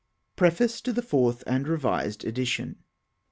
1895. PREFACE TO THE FOURTH AND REVISED EDITION.